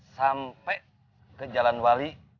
sampai ke jalan wali